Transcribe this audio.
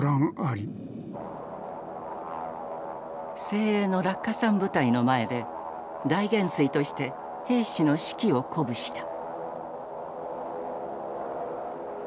精鋭の落下傘部隊の前で大元帥として兵士の士気を鼓舞した。